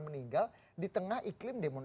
meninggal di tengah iklim